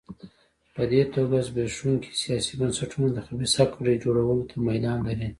په دې توګه زبېښونکي سیاسي بنسټونه د خبیثه کړۍ جوړولو ته میلان لري.